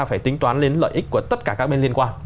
phải tính toán đến lợi ích của tất cả các bên liên quan